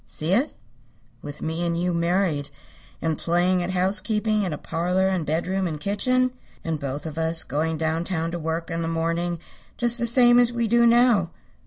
See it? With me and you married, and playing at housekeeping in a parlor and bedroom and kitchen? And both of us going down town to work in the morning just the same as we do now.